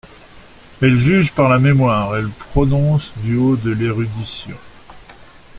Elle juge par la mémoire, elle prononce du haut de l’érudition.